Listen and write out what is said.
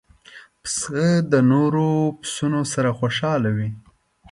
پسه د نور پسونو سره خوشاله وي.